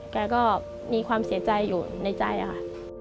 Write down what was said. แกก็มีความเสียใจอยู่ในใจค่ะ